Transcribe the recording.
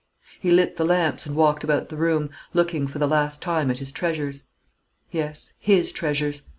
He lit the lamps and walked about the room, looking for the last time at his treasures. Yes, his treasures.